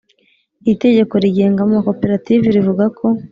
Iritegeko rigenga Amakoperative rivuga ko